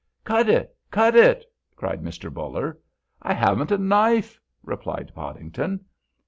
"Cut it! Cut it!" cried Mr. Buller. "I haven't a knife," replied Podington.